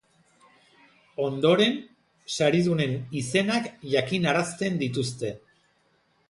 Ondoren, saridunen izenak jakinarazten dituzte.